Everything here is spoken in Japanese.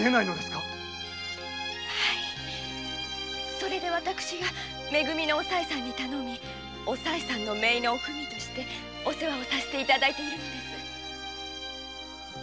それで私が「め組」のおさいさんに頼みメイのおふみとしてお世話をさせて頂いているのです。